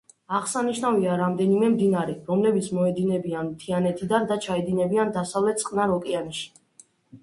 აღსანიშნავია, რამდენიმე მდინარე, რომლებიც მოედინებიან მთიანეთიდან და ჩაედინებიან დასავლეთით წყნარ ოკეანეში.